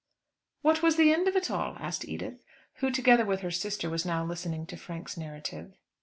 "What was the end of it all?" asked Edith, who together with her sister was now listening to Frank's narrative.